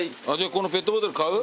このペットボトル買う？